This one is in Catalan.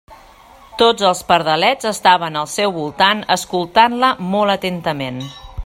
Tots els pardalets estaven al seu voltant escoltant-la molt atentament.